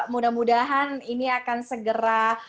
mudah mudahan ini akan segera